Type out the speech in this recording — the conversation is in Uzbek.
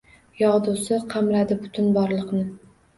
Yog’dusi qamradi butun borliqni.